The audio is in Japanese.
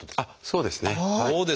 そうですねはい。